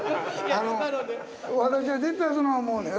私は絶対そない思うねん。